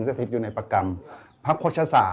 ชื่องนี้ชื่องนี้ชื่องนี้ชื่องนี้